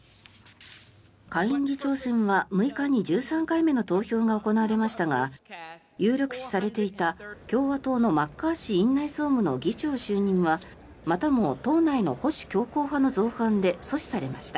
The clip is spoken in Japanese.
下院議長選は６日に１３回目の投票が行われましたが有力視されていた共和党のマッカーシー院内総務の議長就任はまたも党内の保守強硬派の造反で阻止されました。